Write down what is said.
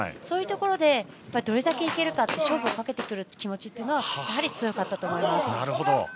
そういうところでどれだけいけるかって勝負をかけてくる気持ちはやはり強かったと思います。